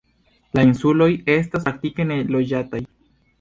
La insuloj estas praktike neloĝataj.